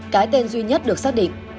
cái tên duy nhất được xác định